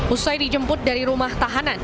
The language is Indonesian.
usai dijemput dari rumah tahanan